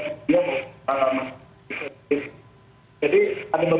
jadi ada beberapa pertanyaan yang harus disuntahkan juga